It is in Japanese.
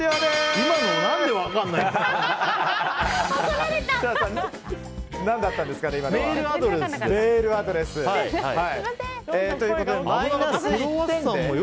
今の何で分からないんだよ。